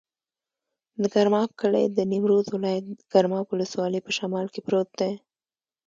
د ګرماب کلی د نیمروز ولایت، ګرماب ولسوالي په شمال کې پروت دی.